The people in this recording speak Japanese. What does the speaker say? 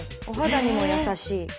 お肌にも優しい。